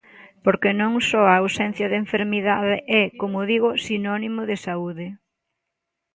Porque non só a ausencia de enfermidade é, como digo, sinónimo de saúde.